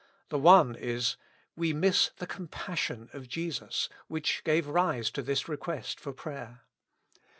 The one is : We miss the compassion of Jesus, which gave rise to this request for prayer.